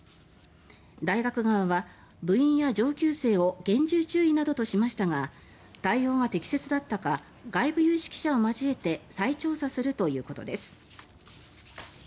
大学側は部員や上級生を厳重注意などとしましたが対応が適切だったか外部有識者を交えて再調査するということです。